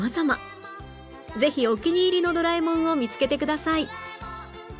ぜひお気に入りのドラえもんを見つけてください